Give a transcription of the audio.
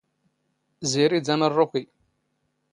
ⵣⵉⵔⵉ ⴷ ⴰⵎⵕⵕⵓⴽⵉ.